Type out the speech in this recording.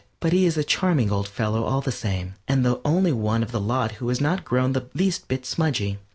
But he is a charming old fellow all the same, and the only one of the lot who has not grown the least bit smudgy.